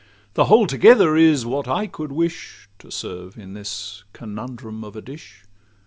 The whole together is what I could wish To serve in this conundrum of a dish.